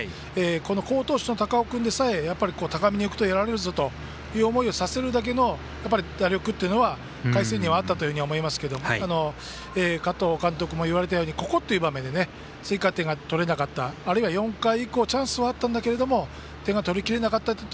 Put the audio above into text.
好投手の高尾君でさえやっぱり高めに浮くとやられるぞという思いをさせるだけの打力は海星にあったと思いますけども加藤監督もいわれたようにここっていう場面で追加点が取れなかった、あるいは４回以降チャンスはあったんですが点が取れなかった。